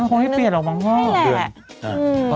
คงไม่เปลี่ยนหรอกมั้ง